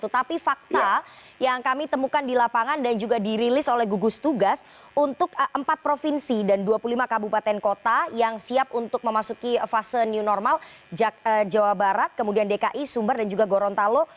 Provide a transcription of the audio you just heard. tapi fakta yang kami temukan di lapangan dan juga dirilis oleh gugus tugas untuk empat provinsi dan dua puluh lima kabupaten kota yang siap untuk memasuki fase new normal jawa barat kemudian dki sumber dan juga gorontalo